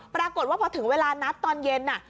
ปรากฏว่าพอถึงเวลานัดตอนเย็น